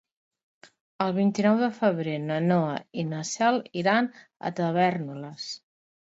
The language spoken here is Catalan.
El vint-i-nou de febrer na Noa i na Cel iran a Tavèrnoles.